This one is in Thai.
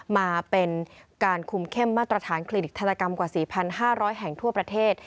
มาเป็นการคุมเข้มมาตรฐานคลินิกธนกรรมกว่า๔๕๐๐แห่งทั่วประเทศ